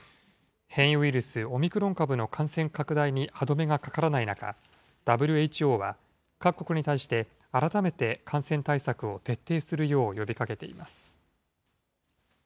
変異ウイルス、オミクロン株の感染拡大に歯止めがかからない中、ＷＨＯは、各国に対して、改めて感染対策を徹底するよう呼びかけています。